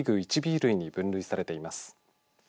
１Ｂ類に分離されています。